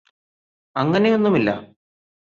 അങ്ങനെയൊന്നുമില്ലാ